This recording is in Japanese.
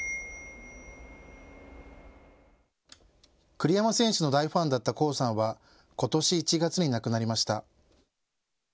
栗山選手の大ファンだった巧さんは、ことし１月に亡くなりました。